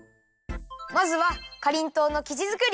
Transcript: まずはかりんとうのきじづくり！